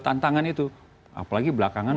tantangan itu apalagi belakangan